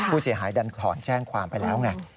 ผู้เสียหายดันถอนแจ้งความไปแล้วไง